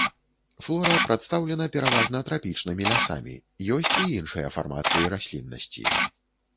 Флора прадстаўлена пераважна трапічнымі лясамі, ёсць і іншыя фармацыі расліннасці.